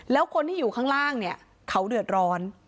แล้วคนที่อยู่ข้างล่างเนี่ยเขาเดือดร้อน